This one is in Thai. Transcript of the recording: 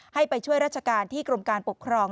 ให้ไปช่วยราชการที่กรมการปกครอง